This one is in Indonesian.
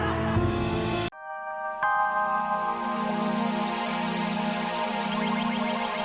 aku mau beristirahat